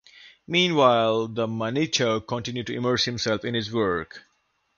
Meanwhile, the Manitou continued to immerse himself in his work.